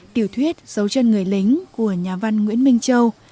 tiểu thuyết dấu chân người lính của nhà văn nguyễn minh châu